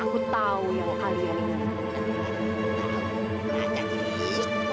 aku tahu yang kalian lakukan